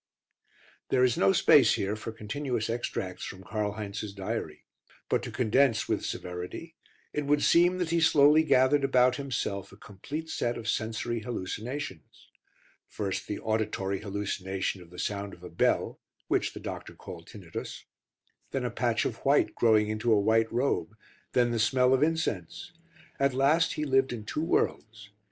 There is no space here for continuous extracts from Karl Heinz's diary. But to condense with severity, it would seem that he slowly gathered about himself a complete set of sensory hallucinations. First the auditory hallucination of the sound of a bell, which the doctor called tinnitus. Then a patch of white growing into a white robe, then the smell of incense. At last he lived in two worlds.